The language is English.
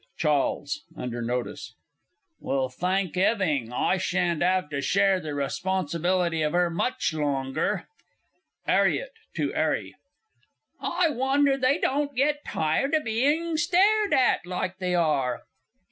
CHAWLES (under notice). Well, thank 'Eving, I sha'n't have to share the responsibility of her much longer! 'ARRIET (to 'ARRY). I wonder they don't get tired o' being stared at like they are.